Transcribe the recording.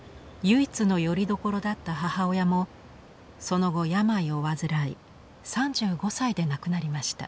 唯一のよりどころだった母親もその後病を患い３５歳で亡くなりました。